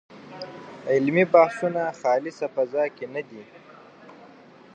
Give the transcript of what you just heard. علمي بحثونه خالصه فضا کې نه دي.